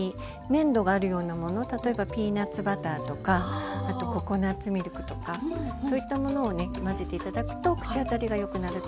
例えばピーナツバターとかあとココナツミルクとかそういったものをね混ぜて頂くと口当たりがよくなると思います。